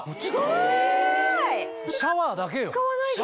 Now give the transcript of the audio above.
シャワーだけよ。